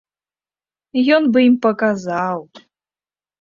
Ён бы ім паказаў!